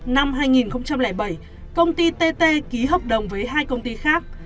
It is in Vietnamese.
năm hai nghìn bảy công ty tt ký hợp đồng với hai công ty khác